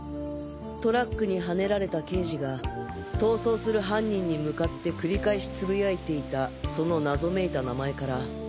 トラックにはねられた刑事が逃走する犯人に向かって繰り返しつぶやいていたその謎めいた名前から「